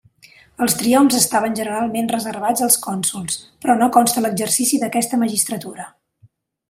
Els triomfs estaven generalment reservats als cònsols, però no consta l'exercici d'aquesta magistratura.